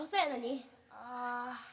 ああ。